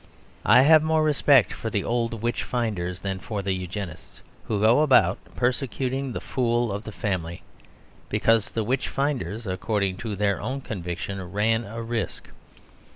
I have more respect for the old witch finders than for the Eugenists, who go about persecuting the fool of the family; because the witch finders, according to their own conviction, ran a risk.